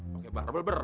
pake barbel berat